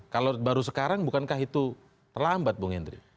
kalau baru sekarang bukankah itu terlambat bung hendry